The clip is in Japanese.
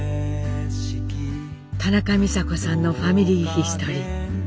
田中美佐子さんの「ファミリーヒストリー」。